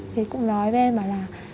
thì cũng nói với em bảo là